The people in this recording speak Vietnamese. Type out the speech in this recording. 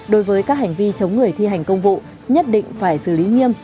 đối với các hành vi chống người thi hành công vụ nhất định phải xử lý nghiêm